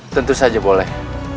tentu saja boleh